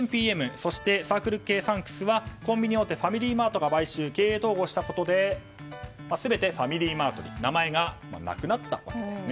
そしてサークルＫサンクスはコンビニ大手ファミリーマートが買収経営統合したことで全てファミリーマートに名前がなくなったわけです。